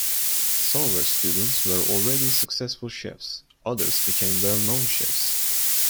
Some of her students were already successful chefs; others became well-known chefs.